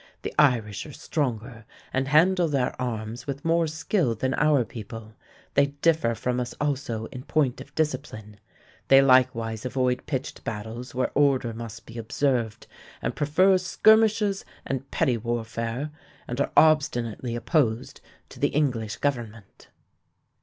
The Irish are stronger and handle their arms with more skill than our people; they differ from us also in point of discipline. They likewise avoid pitched battles where order must be observed, and prefer skirmishes and petty warfare ... and are obstinately opposed to the English government."